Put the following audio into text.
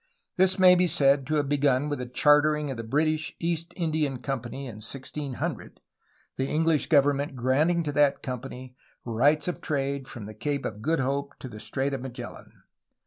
This may be said to have begun with the chartering of the British East Indian Company in 1600, the English government granting to that company rights of trade from the Cape of Good Hope to the Strait of Magellan.